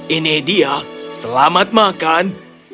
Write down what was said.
ini dia selamat makan